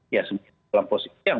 ya dalam posisi yang